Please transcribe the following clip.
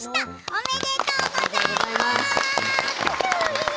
おめでとうございます。